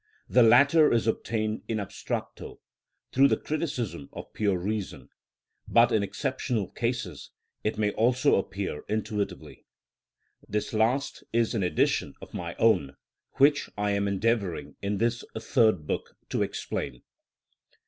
The latter is obtained in abstracto through the criticism of pure reason, but in exceptional cases it may also appear intuitively. This last is an addition of my own, which I am endeavouring in this Third Book to explain.